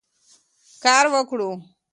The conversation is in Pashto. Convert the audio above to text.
کار وکړو.